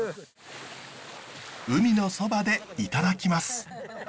海のそばでいただきます。